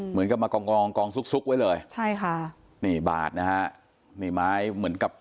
เหมือนกับมากองกองซุกซุกไว้เลยใช่ค่ะนี่บาดนะฮะนี่ไม้เหมือนกับ